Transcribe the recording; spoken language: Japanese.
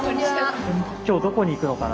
今日どこに行くのかなって。